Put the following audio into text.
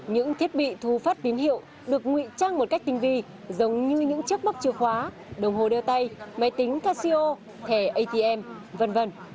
những thiết bị thu phát tín hiệu được nguy trang một cách tinh vi giống như những chiếc móc chìa khóa đồng hồ đeo tay máy tính casio thẻ atm v v